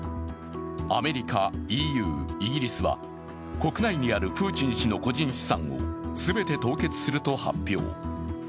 アメリカ、ＥＵ、イギリスは国内にあるプーチン氏の個人資産を全て凍結すると発表。